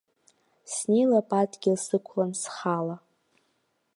Снеилап адгьыл сықәланы схала.